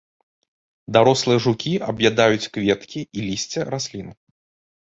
Дарослыя жукі аб'ядаюць кветкі і лісце раслін.